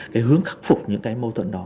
cái hướng khắc phục những cái mâu thuẫn đó